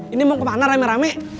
ini mau kemana rame rame